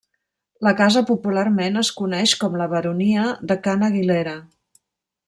La casa popularment es coneix com la Baronia de Ca n'Aguilera.